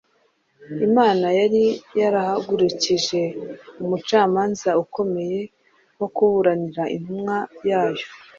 Imana yari yarahagurukije umucamanza ukomeye wo kuburanira intumwa yayo